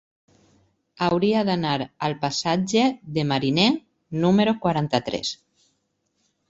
Hauria d'anar al passatge de Mariné número quaranta-tres.